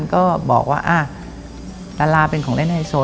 ก็บอกว่าดาราเป็นของเล่นไฮโซ